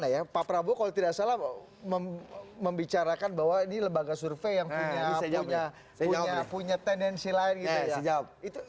ya pak prabowo kalau tidak salah membicarakan bahwa ini lembaga survei yang punya tendensi lain gitu ya